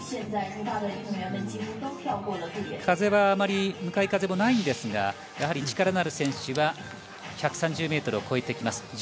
風はあまり向かい風もないんですがやはり、力のある選手は１３０ｍを越えてきます。